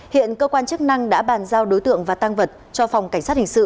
hiện cơ quan chức năng đã bàn giao đối tượng và tăng vật cho phòng cảnh sát hình sự